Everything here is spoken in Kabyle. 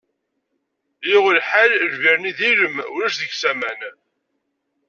Yuɣ lḥal lbir-nni d ilem, ulac deg-s aman.